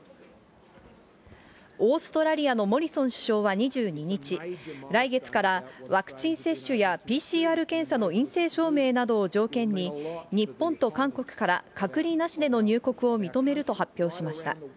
オーストラリアのモリソン首相は２２日、来月からワクチン接種やＰＣＲ検査の陰性証明などを条件に、日本と韓国から隔離なしでの入国を認めると発表しました。